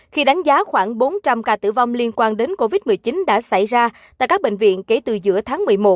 khi đánh giá khoảng bốn trăm linh ca tử vong liên quan đến covid một mươi chín đã xảy ra tại các bệnh viện kể từ giữa tháng một mươi một